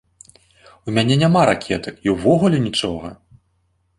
У мяне няма ракетак і ўвогуле нічога.